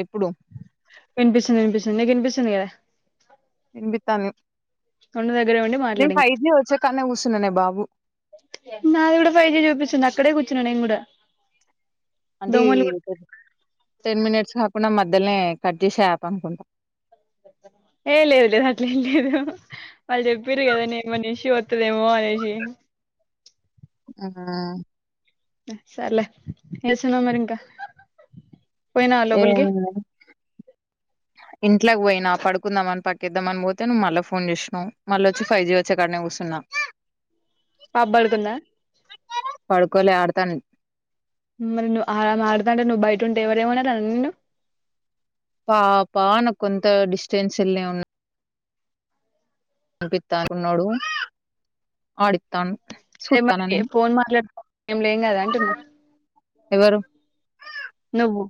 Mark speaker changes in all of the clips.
Speaker 1: ఎప్పుడు
Speaker 2: ఆ సినగా వినిపిస్తుంది కదా
Speaker 1: వినిపిస్తుంది
Speaker 2: కొన్న దగ్గర ఉండి మాట్లాడి
Speaker 1: వచ్చేకాన్నే కూసున్ననే బాబు
Speaker 2: నాది కూడా ఫైవ్ జీ చూపిస్తుంది అక్కడే కూర్ చున నేన్ గూడా
Speaker 1: అంటే ఒక టెన్ మినిట్స్ న కుడ మధ్యలో కట్ చేశాయి అమ్మ
Speaker 2: ఏం లేదు లేదు అట్లే ఏం లేదు హ హ వాళ్ళు ఎవరు కదా నీ మనిషి వతదేమో అనేసి
Speaker 1: ఆ
Speaker 2: సర్లే ఏసిన మరింకా పోయినావా లోపలికి
Speaker 1: ఇంట్లక్ పోయిన పడుకుందామని పక్కేద్దామని పోతే నువ్వు మళ్ళా ఫోన్ చేసినావ్ మల్లోచ్చి ఫైవ్ జీ వచ్చే కానే కూర్చున్నం
Speaker 2: పాప పడుకుందా
Speaker 1: తని
Speaker 2: మరి నువ్వు ఆ ఆడుతా అంటే నువ్వు బయట ఉంటే ఎవర ఏమన్నారడి నిన్ను
Speaker 1: పాపా నాకు కొంత డిస్టెన్స్నే ఉన్నాయి పంపిస్తాకున్నాడు ఆడిస్తాను
Speaker 2: అదే మరి ఫోన్ మట్లాడు ఏం లేం కదా అంటున్నా
Speaker 1: ఎవరు
Speaker 2: నువ్వు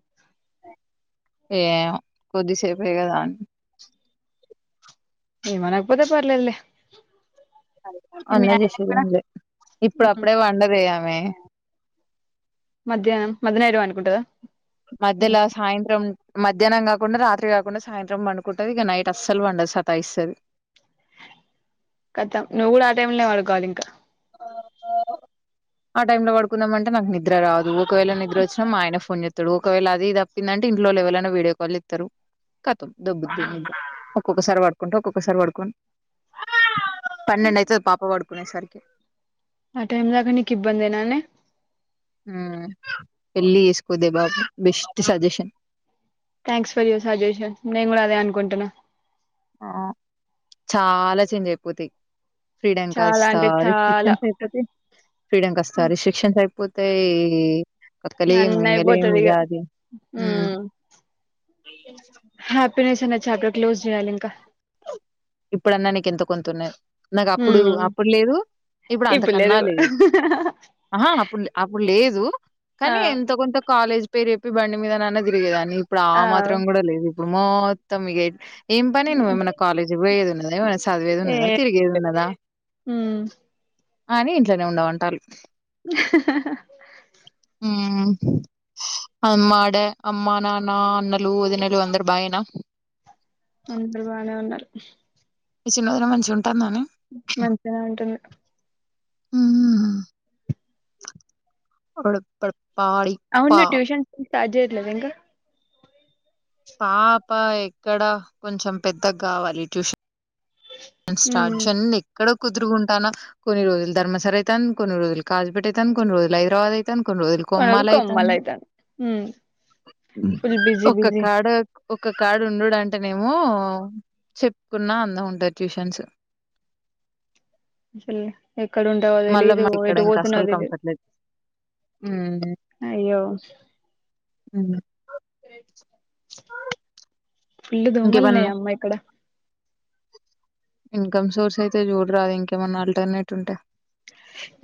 Speaker 1: ఏ కొద్దిసేపే కథ
Speaker 2: ఆమెనా పోతే పర్వాలేదు లె
Speaker 1: అన్నం చేసింది ఆమె లె ఇప్పుడు అప్పుడే వంట చేసేది ఆమె లె ే
Speaker 2: మధ్యాహ్ం మధ్యాహ్నం పడుకుంటావ
Speaker 1: మధ్యలో సాయంత్రం మధ్యాహ్నం కాకుండా రాత్రి కాకుండా సాయంత్రం వండుకుంటది ఇక నైట్ అస్సలు పడదు సతా ఇస్తుంది
Speaker 2: కతం నువ్వు కూడా ఆ టైమ్ లో వాడుకోవాలి ఇంకా
Speaker 1: ఆ ఆ టై లో పడుకుందంమంటే నాకు నిద్ర రాదు కోయల దగర వచ్చిన ఆయ ఫోన్్య ఇక్కడు ఒకవేళ అది తప్పిందంటే ఇంట్లో ఎవలైనా వీడియో కాలు ఇస్తారు కతం దబ్బద్ ఒక్కొక్కసారి పడుకుంటే ఒక్కొక్కసారి పడుకొని పన్నెండు అయితు పాప పడుకునేసరికి
Speaker 2: ఆ టైమ్ దకనీకి ఇబ్బందందినానే
Speaker 1: పెళ్ళి చేసుకోద బాబు బెస్ట్ సజెషన్
Speaker 2: థ్యాంక్స్ ఫర్ యూసజెషన్ నేను కూడా అదే అనుకుంటున్నా
Speaker 1: ఆ చాలా చేంజ్ అయిపోతాయి ఫ్రీడెక్
Speaker 2: చాలా
Speaker 1: వస్తా
Speaker 2: అంటే చాలా
Speaker 1: రిస్ట్రిక్షన్స్ అయిపోతే ఫ్రీడక్ వస్తా రిస్ట్రిక్షన్స్ అయిపో పోతే
Speaker 2: నన్న అయిపోతుందిగ
Speaker 1: మ్
Speaker 2: హ ప్డర్ క్లోజ్ చేయాలి ఇంకా
Speaker 1: ఇప్పుడన్నా నీకు అంతః కొొంతున్నా నాకు అప్పుడు
Speaker 2: ఉమ్
Speaker 1: అప్పుడు లేదు ఇప్పుడు అంతకన్నా లేదు ఆహా అప్పుడు అప్పుడు లేదు
Speaker 2: ఆ
Speaker 1: కానీ ఎంత కొంత కాలేజ్ పేరేప్ప బండి మీద నాన్న జిరిగేాని ఇప్పుడు ఆ మాత్రం కూడా లేదు మొత్త ఏం పని నువ్వ ఏమైనా కాలే వేదు చదువేది
Speaker 2: ఏ
Speaker 1: ఉన్నదా తిరిగేదు ఉన్నదా
Speaker 2: ఉమ్
Speaker 1: అని ఇంట్లోనే ఉండవుంటారు అమ్మాడ అమ్మా నానా అన్నలు అదనలు అందారు బాగున్నారా
Speaker 2: అందరు బానే ఉన్నారు
Speaker 1: [unintelligible]
Speaker 2: మంచిగా ఉంటుంది
Speaker 1: మ్మ్
Speaker 2: అవును ట్యూషన్ స్టార్ట్ చేయలేదా ఇంకా
Speaker 1: పాప ఎక్కడా కొంచెం పెద్దగా కావాలి ట్యూషన్
Speaker 2: ఉమ్
Speaker 1: స్టార్ట్ [unintelligible] ఎక్కడ కుదురుకుంటాను కొన్ని రోజులు ధర్మ సార్ అయితన్ కొన్ని రోజు కాజపేట అయితను కొన్ని రజులు హైరాబాద్ అయి [unintelligible]
Speaker 2: మనోళ్ళు
Speaker 1: కొమ్మాలయితను
Speaker 2: కొమ్మలైతాండ్రు ఉమ్ ఫుల్ బిజీ బిజీ
Speaker 1: ఒకాడ ఒక కార్డు ఉండడు అంటేనేేమో చెప్పుకున్నా అందం ఉంటుది ట్యూషన్స్
Speaker 2: [unintelligible] ఎక్కడ ఉంటావుోో తెలీదు ఎటు పోతున్నో తెలిదు
Speaker 1: మ్మ్
Speaker 2: అయ్యో
Speaker 1: మ్మ్
Speaker 2: ఫుల్ దోమలు ఉన్నాయ్
Speaker 1: ఇంకేమన్నా
Speaker 2: అమ్మా ఇక్కడ
Speaker 1: ఇంకమ్ సోర్స్ అయితే చూడరాదు ఇంకేమన్నా ఆల్టర్నేట్ ఉంటే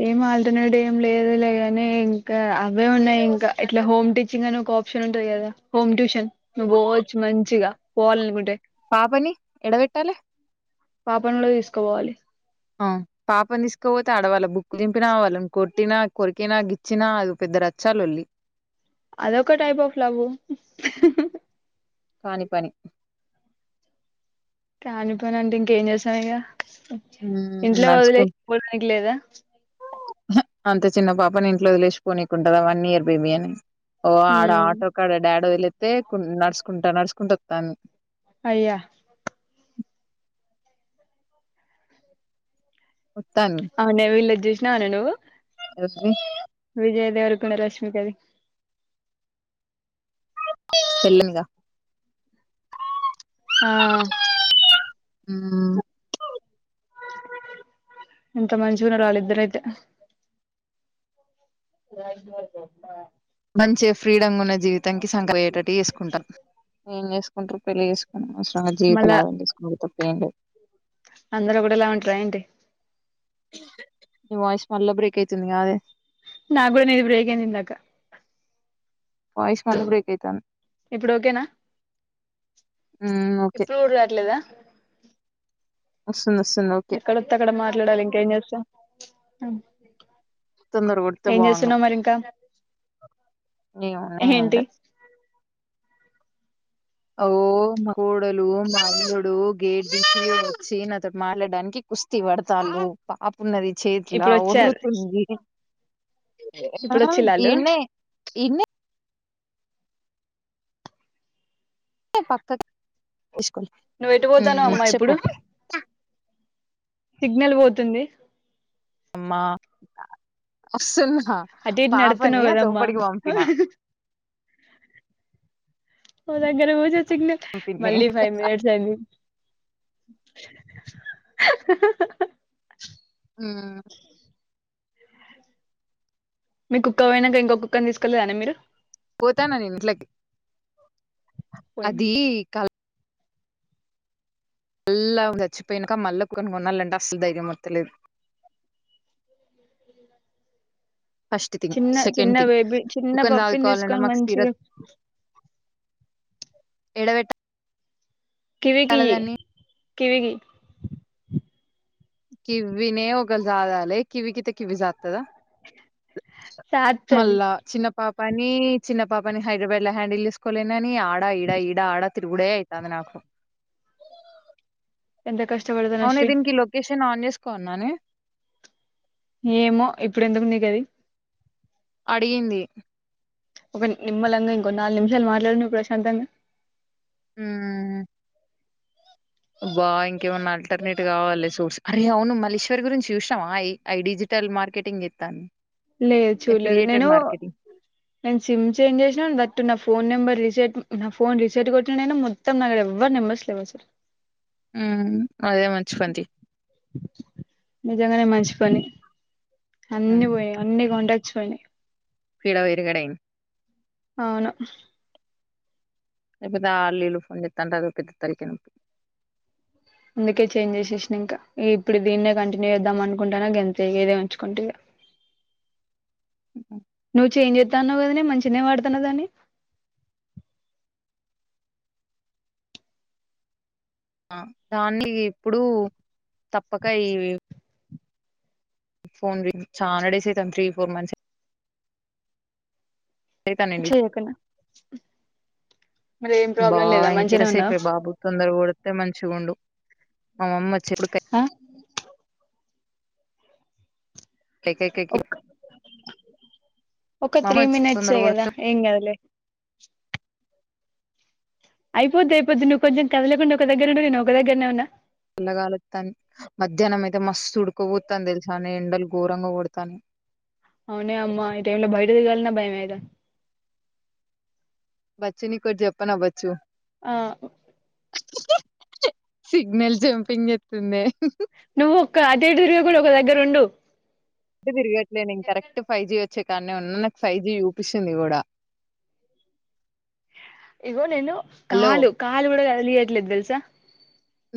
Speaker 2: ఏం ఆల్టర్నేట్ ఏం లేదు లేగానే ఇంకా అవే ఉన్నాయి ఇంకా ఇట్లా హోమ్ టీచింగ్ అని ఒక ఆప్షన్ ఉంటంది కదా హోమ్ ట్యూషన్ నువ్వు పోవచ్చు మంచిగా పోవాల అనుకుంటే
Speaker 1: పాపని యాడవెట్టాలే
Speaker 2: పాపను కూడా తీసుకోపోవాలి
Speaker 1: ఆ పాపం తీసుకోపోతే ఆడవాళ్ళ బుక్కు దింపినా వాళ్ళని కొట్టినా కొరికినా గిచ్చినా అ పెద్ద రచ్చా లొల్లి
Speaker 2: అదొక టైప్ ఆఫ్ లవ్వు
Speaker 1: కాని పని
Speaker 2: కాని పని అంటే ఇంకేం చేశాను ఇక
Speaker 1: మ్మ్
Speaker 2: ఇంట్లో
Speaker 1: నడుచుకుం
Speaker 2: వదిలేపోవడానికి లేదా
Speaker 1: అంతే చిన్న పాపని ఇట్లో వదిలేచకోని ఉంటుదా వన్ ఇయర్ బేబీ అని ఓ ఆడ
Speaker 2: హ్మ్
Speaker 1: ఆటో కడ డాడో వదిలేస్తే నడుచకుంటా నడుచుకుంటూ వస్తాను
Speaker 2: అయ్యా
Speaker 1: వత్తాంది
Speaker 2: అవునే [unintelligible] [unintelligible] నువ్వు
Speaker 1: [unintelligible]
Speaker 2: విజయ్ దేవరకొండ రష్మికది
Speaker 1: పెళ్లనిగా
Speaker 2: ఆ
Speaker 1: ఉమ్
Speaker 2: ఎంత మంచిగున్నరు వాళ్ళిద్దరయితే.
Speaker 1: మంచిగ ఫ్రీడమ్ గున్న జీవితంకి, సంక అరిగేటట్టు చేసుకుంటార్రు. ఉమ్ కుంటరు పెళ్లి చేస్ అనవసరంగా జీవితాలు ఆగం చేస్కునుడు తప్ప ఏం లేదు.
Speaker 2: అందరోకటే లాగా ఉంటరా ఏంటి?
Speaker 1: వాయిస్ మళ్ళా బ్రేక్ అయితుంది కాదే?
Speaker 2: నాక్కూడ, నీది బ్రేక్ అయింది ఇందాకా.
Speaker 1: వాయిస్ మళ్ళ బ్రేక్ ఎయితాంది.
Speaker 2: ఇప్పుడు ఓకేనా?
Speaker 1: ఉమ్ ఓకే
Speaker 2: ఇప్పుడు కూడ రాట్లేదా?
Speaker 1: వస్ ఉమ్ వస్తుంది. ఓకే
Speaker 2: ట్లాడాలింక ఇంకేం చేస్తాం?
Speaker 1: తొందర కొడితే
Speaker 2: ఏం చేస్తున్నవు మరి ఇంకా?
Speaker 1: ఏమ్మున్నయి? ఏం
Speaker 2: ఏంటి
Speaker 1: లేదు. అగో మా కోడలు, మా అల్లుడు గేట్ తీసి, వచ్చి నాతోటి మాట్లాడానికి, కుస్తీ పడతాళ్ళు. పాప్ ఉన్నది చేతులా,
Speaker 2: ఇప్పుడు వచ్చారు
Speaker 1: ఒర్రుతుంది. ఆ
Speaker 2: ఇప్పుడు వచ్చిల్లా ఆళ్ళు
Speaker 1: ఈడ్నే, ప్చ్ ఈడ్నే. పక్కక్ తీసుకోల్లి
Speaker 2: నువ్వు ఎటు పోతానవ్
Speaker 1: ఉమ్,
Speaker 2: అమ్మా
Speaker 1: చెప్పు.
Speaker 2: ఇప్పుడు సిగ్నల్ పోతుంది.
Speaker 1: అమ్మా, అస్సలు
Speaker 2: అటు ఇటు
Speaker 1: పాపని
Speaker 2: నడుతున్నావు
Speaker 1: అటు
Speaker 2: కదమ్మా
Speaker 1: లోపడికి పంపిన.
Speaker 2: ఓ దగ్గర కూర్చోచ్
Speaker 1: పంపిన్నే
Speaker 2: మళ్ళీ ఫైవ్ మినిట్స్ అయింది.
Speaker 1: ఉమ్
Speaker 2: మీ కుక్క పోయినంక ఇంకొ కుక్కను తీసుకోలేదానే మీరు?
Speaker 1: పోతానా నేను ఇంట్లకి.
Speaker 2: పోయింది
Speaker 1: అదీ కల్ ళ్ళా అవి చచ్చిపోయినాక, మళ్ళా కుక్కను కొనాలంటే, అస్సలు ధైర్యం వత్త లేదు. ఫస్ట్ థింగ్,
Speaker 2: చిన్న
Speaker 1: సెకండ్
Speaker 2: చిన్న
Speaker 1: థింగ్
Speaker 2: బేబీ చిన్న
Speaker 1: కుక్కని
Speaker 2: పప్పిని
Speaker 1: సాదుకోవాలన్నా
Speaker 2: తీసుకొని
Speaker 1: మాకు స్థిర
Speaker 2: మంచిగా
Speaker 1: ఏడబెట్టల్
Speaker 2: కివికియ్యి కివికి
Speaker 1: కివ్వినే ఒకల్ జాదాలే, కివికిత్తె కివి జాద్ కదా
Speaker 2: సాత్తది
Speaker 1: మళ్ళ చిన్న పాప పని చిన్న పాపని హైదరాబాద్ హ్యాండిల్ తీసుకోలేనని ఆడా ఈడ ఈడ ఆడ తిరుగుడే అవుతుంది నాకు
Speaker 2: ఎంత కష్టం
Speaker 1: అనే ది క లోకష్ నాన్ వెేజ్ కో ఉన్నాను
Speaker 2: ఏమో ఇప్పుడు ఎందుకున్నాయి కది
Speaker 1: అడిగింది
Speaker 2: ఒక నిమ్మలంగా ఇంకోొ నాలుగు నిమిషాలు మాట్లాడును ప్రశాంతంగా
Speaker 1: హ బా ఇంకేమన్నా ఆల్టర్నేట్ కావాలి సోర్స్ అరే అవును మల్లేశ్వరి గురించి చూసినాం అఐ డిజిటల్ మార్కెటింగ్ ఇస్తాను
Speaker 2: లేదు చూడలేదు నేను నేను సిమ్ చేంజ్ చేసినా తట్టున్న ఫోన్ నెంబర్ రీసెట్ నా ఫోన్ రీసెట్ కొట్టినై మొత్తం నాడ ఎవరు నెంబర్స్ లేవ సార్
Speaker 1: అదే మంచి పంది
Speaker 2: నిజంగానే మంచి పని అన్న పోయి అన్నిీ గండ సడి
Speaker 1: పడ వయరుగడైన
Speaker 2: అవును
Speaker 1: ఎ పెతే ఆ అల్లీలు ఫోన్ చెత్తాంట అ పెద్ద తరికి నపి
Speaker 2: అందుకే చేంజ్ చేసేసిన ఇంకా ఇప్పుడు దీన్నే కంటిన్యూ చేద్దాం అనుకుంటాన్నా ఎంతగేదే ఉంచుకుంటేద ను చంజ వాతాన్నా కదనే మంచిినే వాడుతాన్నా దాని
Speaker 1: ఆ దాన్ని ఇప్పుడుూ తప్పక ఈ ఫోన్ చా నడేసతాం త్రీ ఫోర్ మంత్స్ తానండి
Speaker 2: చేయకున్నా మరి ఏం
Speaker 1: బా
Speaker 2: ప్రాబ్లం లేదా
Speaker 1: ఇంక
Speaker 2: మంచిగనే ఉన్నావా
Speaker 1: ఎంతసేపుే బాబు తొందర కొడితే మంచిగా ఉండు అమ్మచ్చ
Speaker 2: ఆ
Speaker 1: కై కై కై కై
Speaker 2: ఒక
Speaker 1: మా అమ్మ
Speaker 2: త్రీ
Speaker 1: వచ్చి తొందర
Speaker 2: మనిట్స్ేగదా
Speaker 1: గొడితే
Speaker 2: హంగ్ అదలే అయిపోద్దియిద్ నువ్ కొంచెం కదలేకుండా ఒక దగ్గ ఉడువు నే ఒక దగ్రనే ఉన్నా
Speaker 1: పల్లగాలుస్తాను మధ్యాహ్నం అయితే మస్తు ఉుడుకోపోతాను తెలుసాను ఎండలు ఘోరంగా కొడతాను
Speaker 2: అవునే అమ్మా ఇయితే ఎల బయటది గలి భయ మతే
Speaker 1: బచ్చుని కొ చెప్పన్వచ్చు
Speaker 2: ఆ
Speaker 1: సిగ్నల్ జంపింగ్ ఎస్తుంది
Speaker 2: నువ్ ఒక్క అదేడు కూడా ఒక దగ్గర ఉండు
Speaker 1: ఇ బిర్యానీ కరెక్ట్ ఫై్ీ చ్చకాన్న ఉన్నా నాకు ఫైవ్ జీ చూపిస్తుంది కూడా
Speaker 2: ఇగో నేను
Speaker 1: హలో
Speaker 2: కాలు కాలు కూడా పియ్యట్లేదు తెలుసా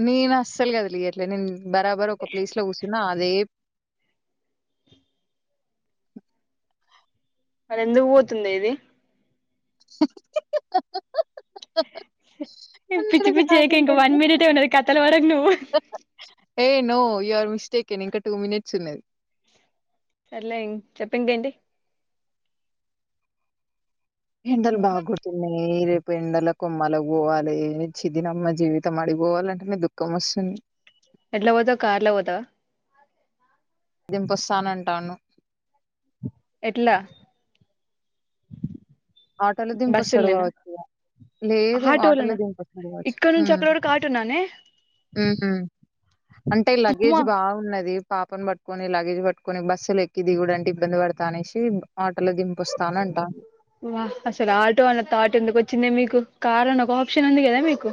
Speaker 1: నేను అసలు కదిలియట్లే నేను బరాబర్ ఒక ప్లేస్ లో కూర్చున్నా అదే
Speaker 2: మరి ఎందుకు పోతుందే ఇది
Speaker 1: [inaudible] నన్ను
Speaker 2: పిచ్చి
Speaker 1: అడిగితే
Speaker 2: పిచ్చి చేయక
Speaker 1: నాకేం
Speaker 2: ఇంకా వన్
Speaker 1: తెలుసు
Speaker 2: మినిట్ ఏ ఉన్నది కథలు పడకు నువ్వు
Speaker 1: ఏయ్ నో యు ఆర్ మిస్టేకన్ ఇంకా టూ మినిట్స్ ఉన్నది
Speaker 2: సర్లే చెప్పు ఇంకేంటి
Speaker 1: ఎండలు బాగా కొడుతున్నాయి రే ఎండల కొమ్మల పోవాలి ఛీ దినమ్మ జీవితం అడిపోవాలంటే న దుఃఖం వస్తుంది
Speaker 2: ఎట్ల పోతావ్ కార్‌లో పోతావా
Speaker 1: దింపొస్తానంటాను
Speaker 2: ఎట్లా
Speaker 1: ఆటోలో దింపొస్తాడు
Speaker 2: బస్సుల్నేనా
Speaker 1: కావచ్చు ఇక లేదు ఆటోలు
Speaker 2: ఆటోలనా
Speaker 1: దింప వొస్తాడు కావచ్చు
Speaker 2: ఇక్కడ నుంచి అక్కడ వరకు ఆటోనానే
Speaker 1: ఉమ్ ఉమ్ అంటే లగేజ్
Speaker 2: అమ్మా
Speaker 1: బాగున్నది పాపని పట్టుకొని లగేజ్ పట్టుకొని బస్సుల ఎక్కి దిగుడంటే ఇబ్బంది పడతా అనేసి ఆటోలో దింపేస్తానంట
Speaker 2: వా అసలు ఆటో అన్న థాట్ ఎందుకు వచ్చిందే మీకు కార్ అన్న ఒక ఆప్షన్ ఉంది కదా మీకు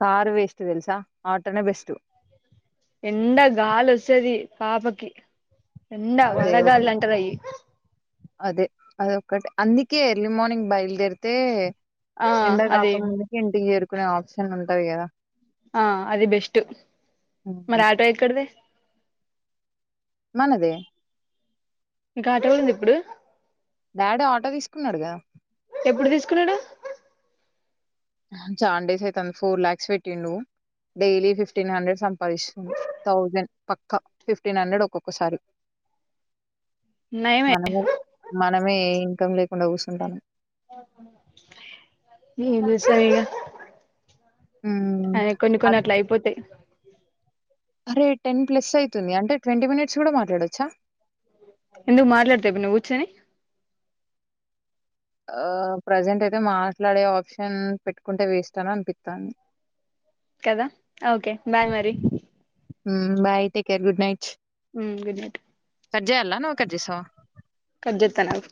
Speaker 1: కారు వేస్ట్ తెలుసా ఆటోనే బెస్ట్
Speaker 2: ఎండ గాలి వస్తాది పాపకి ఎండ
Speaker 1: అదే ఒక-
Speaker 2: వడగాలులంటారు అయి
Speaker 1: అదే అదొక్కటి అందుకే ఎర్లీ మార్నింగ్ బయలుదేరితే
Speaker 2: ఆ
Speaker 1: ఎండ
Speaker 2: అది
Speaker 1: కాక మందుకే ఇంటికి చేరు కునే ఆప్షన్ ఉంటది కదా
Speaker 2: ఆ అది బెస్ట్ మరి
Speaker 1: ఉమ్.
Speaker 2: ఆటో ఎక్కడిది
Speaker 1: మనదే
Speaker 2: మీకు ఆటో కూడా ఉందా ఇప్పుడు
Speaker 1: డాడీ ఆటో తీసుకున్నాడు కదా
Speaker 2: ఎప్పుడు తీసుకున్నాడు
Speaker 1: చానా డేస్ అయితాంది ఫోర్ లాక్స్ పెట్టిండు నువ్వు డైలీ ఫిఫ్టీన్ హండ్రెడ్ సంపాదిస్తుంది థౌజండ్ పక్కా ఫిఫ్టీన్ హండ్రెడ్ ఒక్కొక్కసారి
Speaker 2: నయమే
Speaker 1: మనమే మనమే ఏ ఇంకమ్ లే కుండా కూర్చుంటాను
Speaker 2: ఏది సరగా అ కొన్ని కొన్ని అట్ల అయిపోతాయి
Speaker 1: అరే టెన్ ప్లస్ అయితుంది అంటే ట్వంటీ మినిట్స్ కూడా మాట్లాడొచ్చా
Speaker 2: ఎందుకు మాట్లాడుతావా నువ్వు ఇప్పుడు కూర్చొని
Speaker 1: ఆ ప్రజెంట్ అయితే మాట్లాడే ఆప్షన్ పెట్టుకుంటే వేస్ట్ అని అనిపిత్తంది
Speaker 2: కదా ఓకే బాయ్ మరి
Speaker 1: um bye take care good night
Speaker 2: um good night
Speaker 1: కట్జేయాల్ల నువ్వు కట్జేస్సావ
Speaker 2: కట్ జేత్తన ఆగు